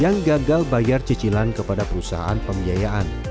yang gagal bayar cicilan kepada perusahaan pembiayaan